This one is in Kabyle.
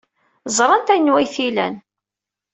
Ẓrant anwa ay tent-ilan.